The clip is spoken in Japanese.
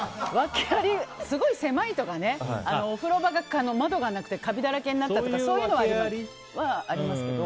すごい狭いとかね、お風呂場が窓がなくてカビだらけになったとかはありますけど。